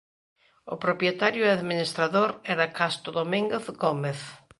O propietario e administrador era Casto Domínguez Gómez.